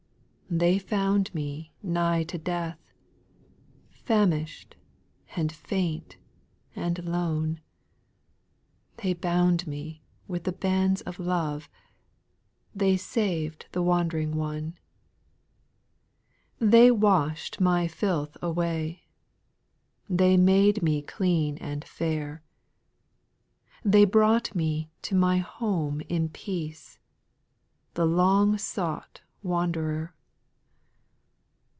4. They found me nigh to death, Famish'd, and faint, and lone ; They bound me with the bands of love, They sav'd the wand'ring one. ^ 6. They wash'd my filth away, They made me clean and fair ; They brought me to my home in peace, The long sought wanderer.